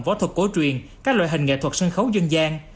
võ thuật cổ truyền các loại hình nghệ thuật sân khấu dân gian